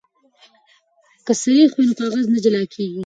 که سريښ وي نو کاغذ نه جلا کیږي.